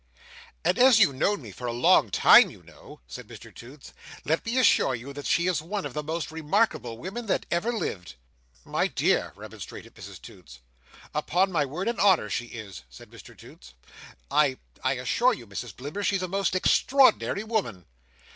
"And as you've known me for a long time, you know," said Mr Toots, "let me assure you that she is one of the most remarkable women that ever lived." "My dear!" remonstrated Mrs Toots. "Upon my word and honour she is," said Mr Toots. "I—I assure you, Mrs Blimber, she's a most extraordinary woman."